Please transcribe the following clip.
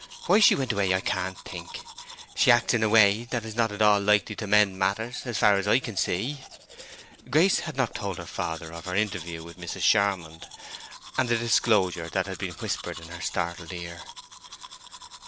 Why she went away I can't think! She acts in a way that is not at all likely to mend matters as far as I can see." (Grace had not told her father of her interview with Mrs. Charmond, and the disclosure that had been whispered in her startled ear.)